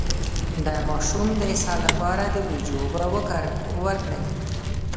د ماشوم د اسهال لپاره د وریجو اوبه ورکړئ